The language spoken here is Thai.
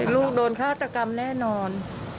ลูกโดนฆาตกรรมแน่นอน